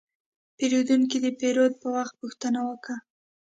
پیرودونکی د پیرود پر وخت پوښتنه وکړه.